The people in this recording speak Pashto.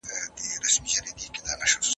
دوی له پخوا د احساساتي لیکنو مخنیوی کاوه.